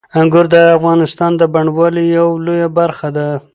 انګور د افغانستان د بڼوالۍ یوه لویه برخه ده.